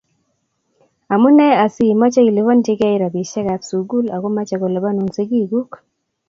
Amune asiimache iliponchikey rapisyek ap sugul ako mache kolipanun sigikuk.